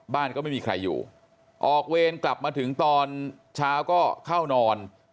ก็ไม่มีใครอยู่ออกเวรกลับมาถึงตอนเช้าก็เข้านอน